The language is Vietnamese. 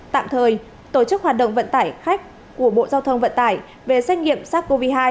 tạm thời tổ chức hoạt động vận tải khách của bộ giao thông vận tải về xét nghiệm sars cov hai